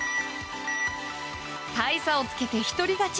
大差をつけて一人勝ち！